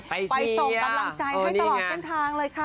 ไปส่งกำลังใจให้ตลอดเส้นทางเลยค่ะ